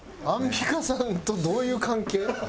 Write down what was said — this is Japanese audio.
アンミカさんとどういう関係？